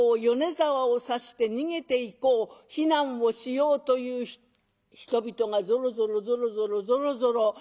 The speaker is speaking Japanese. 米沢を指して逃げていこう避難をしようという人々がぞろぞろぞろぞろぞろぞろ。